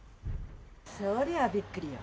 そりゃ、びっくりよ。